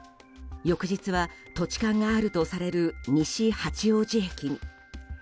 翌日は、土地勘があるとされる西八王子駅に。